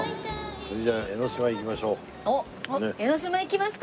それじゃあ江の島行きますか！